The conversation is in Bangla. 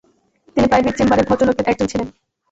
তিনি প্রাইভির চেম্বারের ভদ্রলোকদের একজন ছিলেন।